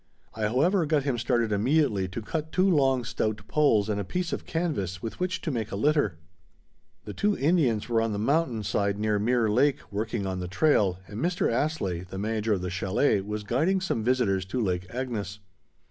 I however got him started immediately to cut two long, stout poles and a piece of canvas with which to make a litter. The two Indians were on the mountain side near Mirror Lake working on the trail and Mr. Astley, the manager of the chalet, was guiding some visitors to Lake Agnes.